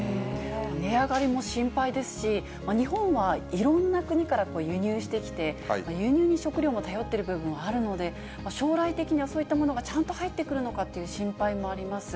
値上がりも心配ですし、日本はいろんな国から輸入してきて、輸入に食料を頼っている部分もあるので、将来的にはそういったものがちゃんと入ってくるのかっていう心配もあります。